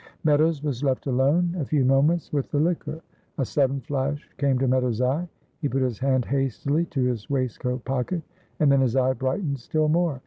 Meadows was left alone a few moments with the liquor. A sudden flash came to Meadows' eye, he put his hand hastily to his waistcoat pocket, and then his eye brightened still more.